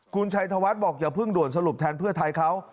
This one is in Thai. คุณชัยธวัฒน์บอกอย่าเพิ่งด่วนสรุปแทนเพื่อไทยเขา